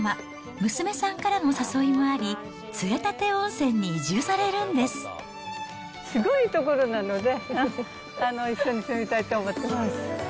娘さんからの誘いもあり、すごいいい所なので、一緒に住みたいと思ってます。